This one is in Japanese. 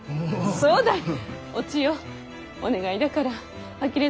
そうだに。